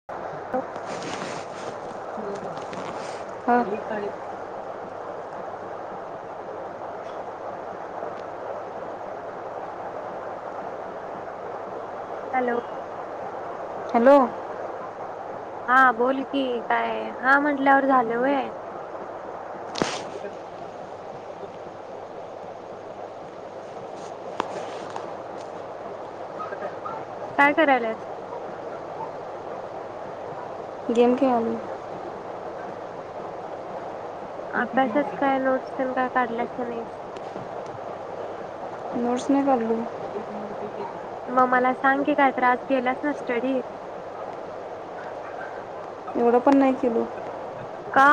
[unintelligible] हा [unintelligible] [unintelligible] [unintelligible] hello hello हा बोल कि काय हा म्हंटल्यावर झालं होय. [unintelligible] काय करायल्यास? गेम खेळालोय. [unintelligible] आभ्यासाचे काय नोट्स तेन काय काढल्यास काय नाहिस. नोट्स नाही काढलो [unintelligible] म मला सांग की कायतर आज केल्यास ना स्टडी एवढं पण नाही केलो का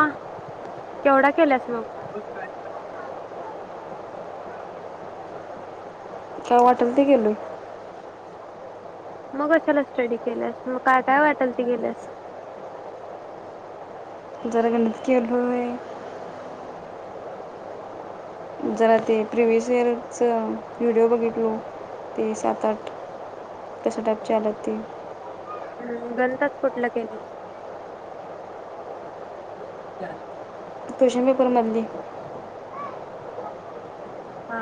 केवढा केल्यास मग? काय वाटल ते किलोय मग कश्याला स्टडी केल्यास मग काय काय वाटल ते केल्यास जरा गणित केलोय जरा ते प्रिविसीइयरचं व्हिडिओ बघितलो ते सात आठ कशा टाईपचे आल्यात ते हम् गणितात कुठलं केलेस क्वेषण पेपर मधली हा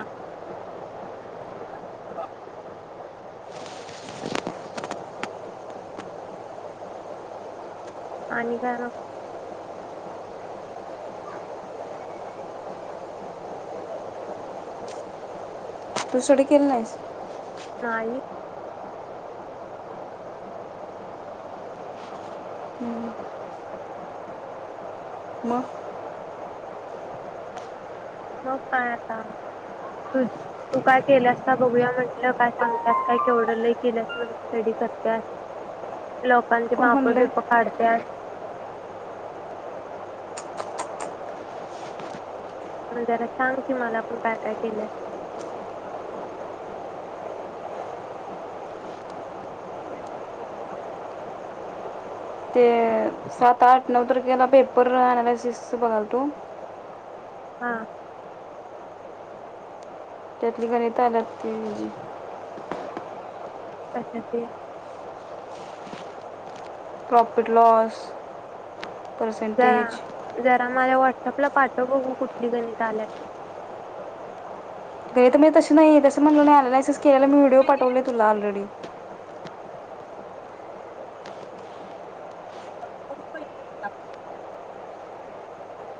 [inaudible] आणि काय मग [inaudible] तू सुरू केली नाहीस नाही मग मग काय आता तू तू काय केल्यास का बघूया म्हटलं काय सांगत्यास काय केवढं लई केल्यास स्टडी करत्यास. लोकांचे कोण माप म्हणलं बिपे काढत्यास मग जरा सांग कि मला पण काय काय केलं अस ते सात आठ नऊ तारखेला पेपर अँनालिसिस बघालतो. हा त्यातली गणित आल्यात तिजी कशाची प्रॉफिट लॉस जरा पर्सेंटेज जरा मला वाट व्हाट्सअपला पाठव [unintelligible] म्हणल अनालायसेस केलेला मी व्हिडिओ पाठवलय तुला ऑरेडी [inaudible]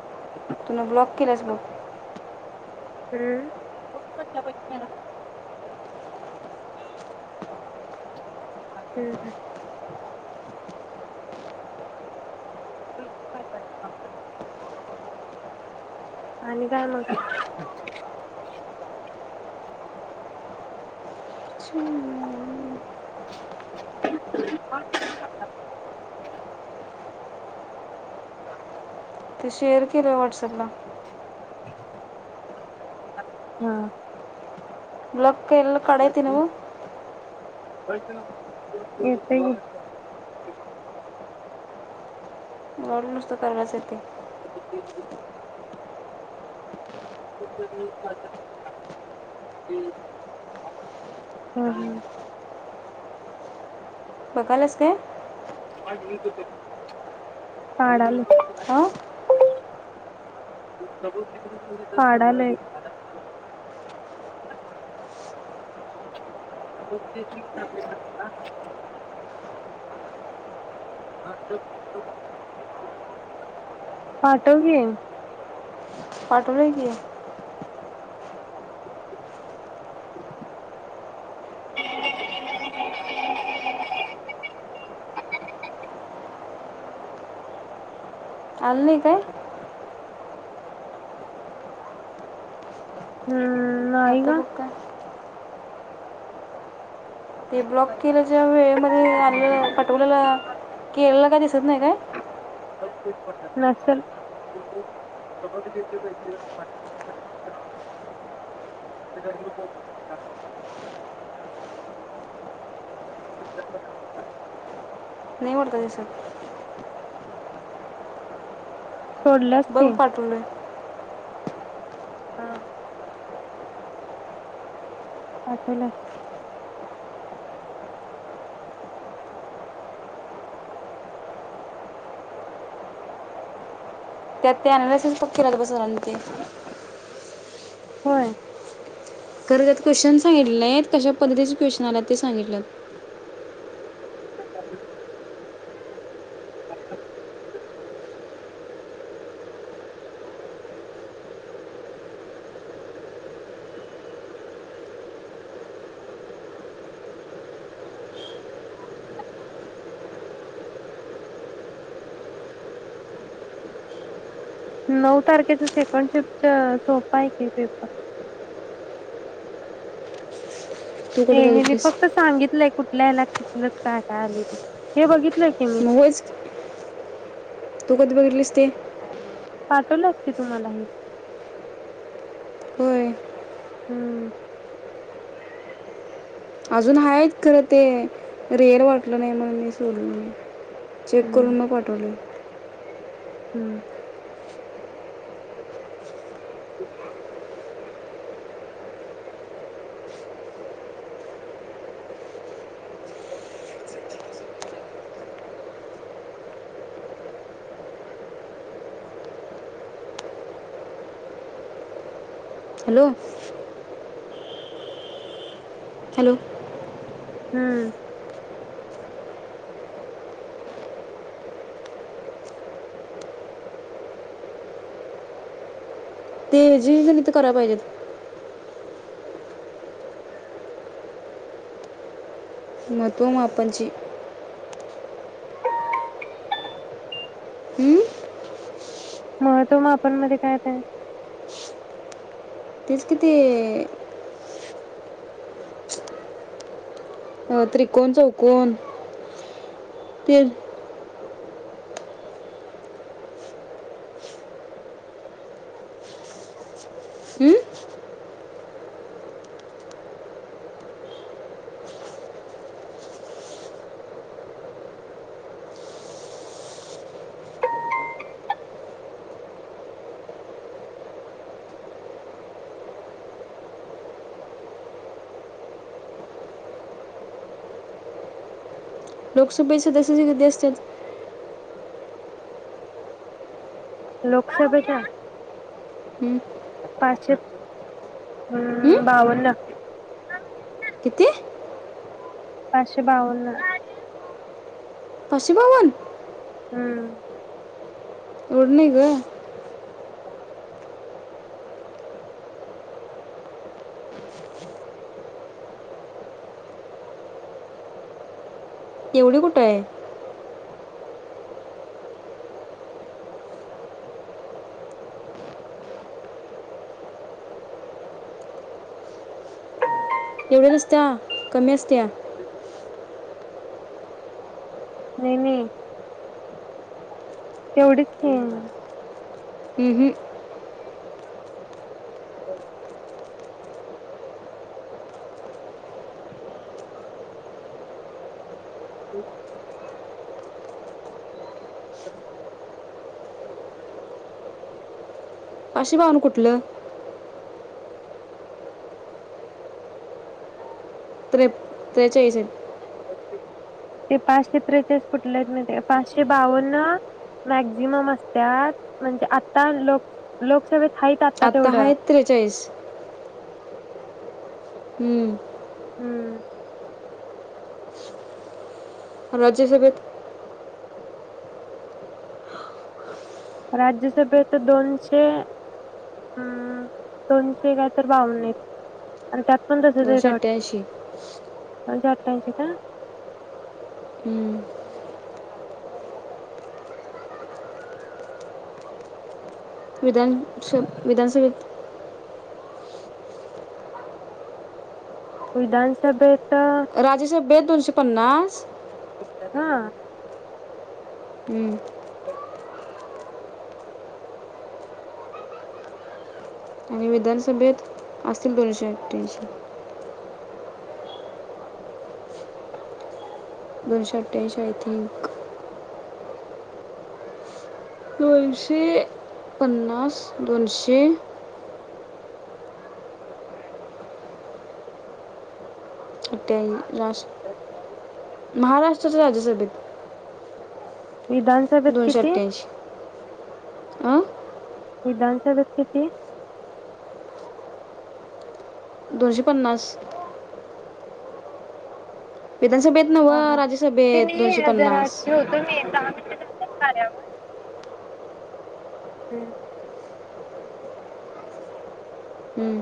[inaudible] त्याला ब्लॉक केलस बघ हूं [inaudible] [inaudible] आणि काय मग छी. [inaudible] ते शेअर केलं व्हॉट्सअपला हा [inaudible] केलेलं काढायच नव्ह येतय घे जाऊन नुसतं करायचं [inaudible] [inaudible] बघाल्यास काय? पाडालोय हां पाडालोय [inaudible] पाठव की, पाठवलंय की, आल नाही काय [inaudible] हम्म नाही आता ग बगु काय? ते ब्लॉक केल्याच्या वेळेमध्ये आले पाठवलेल केलेल काय दिसत नाय काय? [unintelligible] [unintelligible] [inaudible] सोडल्यास बघ की पाठवलंय हा पाठवलाय- त्यात ते अनलासेस पक केल्यात बघ चालते. होय. खर त्यात क्वेशचन सांगितले आहेय कशा पद्धतीचे क्वेशचन आल्यात ते सांगितलंय. नऊ तारखेच सेकंड शिफ्टच सोप आहे की पेपर तू हे कुठे हेनी बघितलीस फक्त सांगितलंय. कुठल्या हेला कुटल काय काय आलय ते हे बघितल म होयच की तु कधी तू बघितलीस ते पाठवल्यात की तु मला हे होय हम् अजून आहेत खरं ते रेअर वाटलं नाहीत म्हणून मी सोडून दिल. चेक हम्म करून मग पाठवले.. हम्म [inaudible] [inaudible] हॅलो हॅलो हम्म ते हेजी गणित कराय पाहिजेत. महत्त्व मापणची हं? महत्व मापण मध्ये काय येतय? तीच कि ती अ त्रिकोण चौकोण ते हं? [inaudible] [inaudible] लोकसभे सदस्याचे किती असत्यात लोकसभेचा हं? पाचशे हं? बावन्न किती? पाचशे बावन्न पाशे बावन हम्म ओडनी ग एवढी कुठ हाय [inaudible] एवढी नसत्या कमी असत्या नाही नाही तेवढेच कि हम हम [inaudible] [inaudible] [unintelligible] अशी बावन कुठलं त्रे ञेचाळीस आहेत. ते पाचशे त्रेचाळीस कुठले कुठलेत माहितीये का पाचशे बावन्न मॅक्झिमम असत्यात म्हणजे आता लोक लोकसभेत हाईत आता आत्ता तेवढं हायेत त्रेचाळीस हम्म हम्म राज्यसभेत राज्यसभेत तर दोनशे अ दोनशे काय तर बावन्न आण त्यात पण तसेच आहेत दोनशे अठ्ठ्याऐंशी वाट [unintelligible] अठ्याऐंशी का? हूं विधानस विधानसभेत विधानसभेत राज्यसभे ते दोनशे पन्नास हा हूं [inaudible] आणि विधानसभेत असतील दोनशे अठ्ठ्याऐंशी [unintelligible] दोनशे अठ्ठऐंश आय थिंक दोनशे पन्नास दोनशे अठ्याऐं महाराष्ट्र [unintelligible] राज्यसभेत विधानसभेत दोनशे किती? अठ्ठ्याऐंशी अं? विधानसभेत किती? दोनशे पन्नास विधानसभेत हा नवं हा ते राज्यसभेत दोनशे नाही जरा पन्नास. ठेवतो [unintelligible] कार्यावर [inaudible] हम्म.